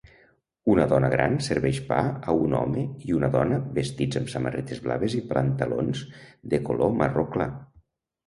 Una dona gran serveix pa a un home i una dona vestits amb samarretes blaves i pantalons de color marró clar